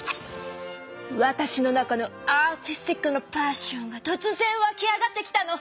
わたしの中のアーティスティックなパッションがとつぜんわき上がってきたの！